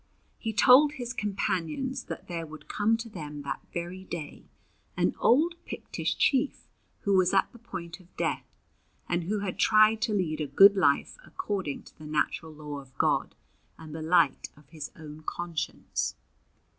He told his companions that there would come to them that very day an old Pictish chief who was at the point of death, and who had tried to lead a good life according to the natural law of God and the light of his own conscience.